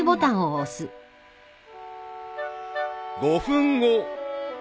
［５分後］